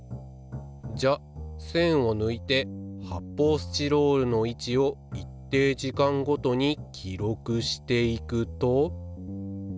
じゃせんをぬいて発泡スチロールの位置を一定時間ごとに記録していくと。